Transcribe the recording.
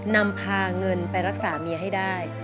นำพาเงินไปรักษาเมียให้ได้